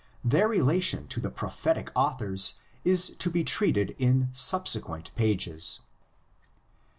Their relation to the Prophetic authors is to be treated in subsequent pages.